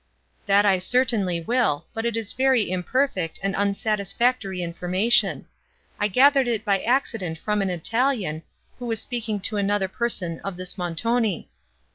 "That I certainly will, but it is very imperfect, and unsatisfactory information. I gathered it by accident from an Italian, who was speaking to another person of this Montoni.